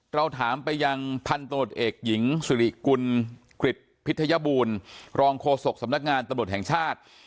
เราถามไปยังพันตรวจเอกหญิงสิริกุลกริจพิทยบูรณ์รองโฆษกสำนักงานตำรวจแห่งชาติ